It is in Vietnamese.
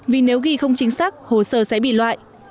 vì nếu ghi không chính xác hồ sơ sẽ bị loại